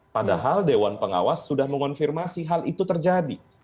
padahal dewan pengawas sudah mengonfirmasi hal itu terjadi